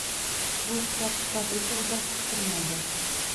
Bu hisob-kitob esa uzoq kuttirmaydi